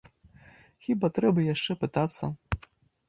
Хіба трэба яшчэ пытацца?